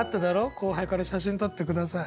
後輩から「写真撮って下さい」。